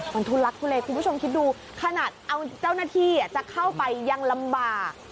มันทุลักทุเลคุณผู้ชมคิดดูขนาดเอาเจ้าหน้าที่จะเข้าไปยังลำบาก